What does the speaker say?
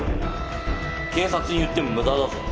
警察に言っても無駄だぞ